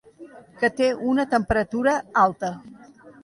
Que té una temperatura alta.